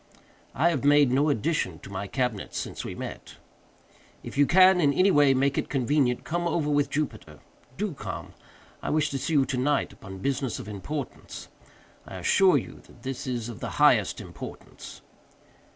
"I have made no addition to my cabinet since we met. "If you can, in any way, make it convenient, come over with Jupiter. Do come. I wish to see you to night, upon business of importance. I assure you that it is of the highest importance.